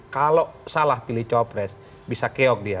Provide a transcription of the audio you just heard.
kalau salah pilih cawapres bisa keok dia